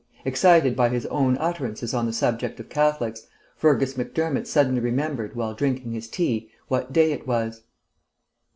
Excited by his own utterances on the subject of Catholics, Fergus Macdermott suddenly remembered, while drinking his tea, what day it was.